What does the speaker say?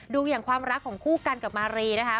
อย่างความรักของคู่กันกับมารีนะคะ